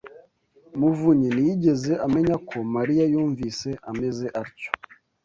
muvunyi ntiyigeze amenya ko Mariya yumvise ameze atyo.